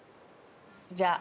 じゃあ。